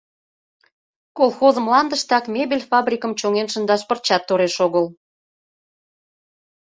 — Колхоз мландыштак мебель фабрикым чоҥен шындаш пырчат тореш огыл.